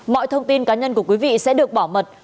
mọi thông tin cá nhân của quý vị sẽ được bảo mật